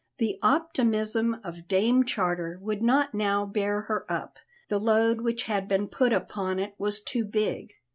The optimism of Dame Charter would not now bear her up, the load which had been put upon it was too big.